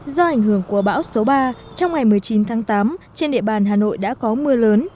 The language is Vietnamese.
do ảnh hưởng của bão số ba trong ngày một mươi chín tháng tám trên địa bàn hà nội đã có mưa lớn